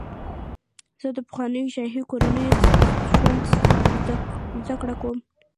زه د پخوانیو شاهي کورنیو ژوند زدهکړه کوم.